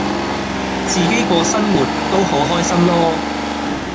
自己過生活都好開心囉